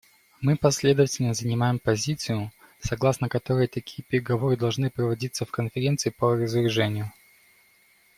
Мы последовательно занимаем позицию, согласно которой такие переговоры должны проводиться в Конференции по разоружению.